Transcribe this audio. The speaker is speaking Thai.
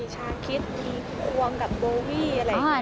ชาคิดควงกับโบวี่อะไรอย่างนี้